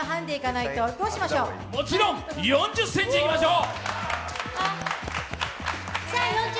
もちろん４０ｃｍいきましょう！